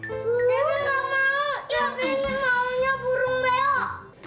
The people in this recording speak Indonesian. cepi gak mau cepi ingin maunya burung belok